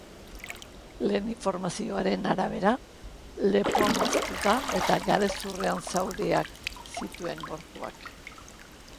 Lehen informazioen arabera, lepoa moztuta eta garezurrean zauriak zituen gorpuak.